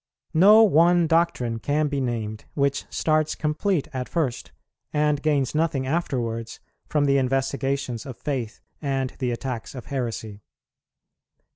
No one doctrine can be named which starts complete at first, and gains nothing afterwards from the investigations of faith and the attacks of heresy.